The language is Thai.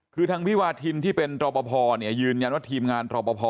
คือทางพี่วาทินที่เป็นรอพพอเนี่ยยืนยันว่าทีมงานรอพพอ